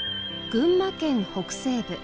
群馬県北西部。